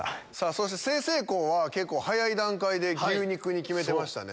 そして済々黌は結構早い段階で「牛肉」に決めてましたね。